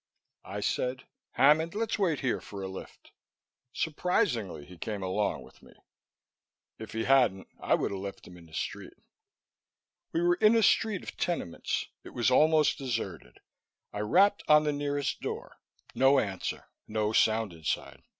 I said, "Hammond, let's wait here for a lift." Surprisingly he came along with me. If he hadn't, I would have left him in the street. We were in a street of tenements. It was almost deserted; I rapped on the nearest door. No answer, no sound inside.